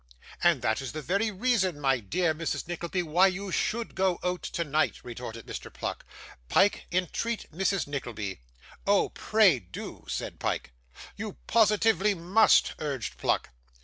'And that is the very reason, my dear Mrs. Nickleby, why you should go out tonight,' retorted Mr. Pluck. 'Pyke, entreat Mrs. Nickleby.' 'Oh, pray do,' said Pyke. 'You positively must,' urged Pluck.